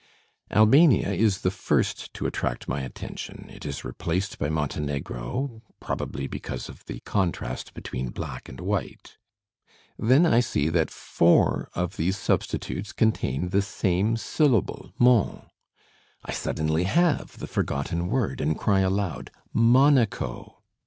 Albania is the first to attract my attention, it is replaced by Montenegro, probably because of the contrast between black and white. Then I see that four of these substitutes contain the same syllable mon. I suddenly have the forgotten word, and cry aloud, "Monaco."